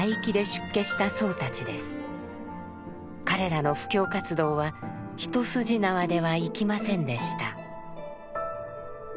彼らの布教活動は一筋縄ではいきませんでした。